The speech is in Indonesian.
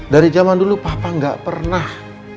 dari zaman dulu papa gak pernah